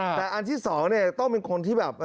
อันที่สองเนี่ยต้องเป็นคนที่แบบ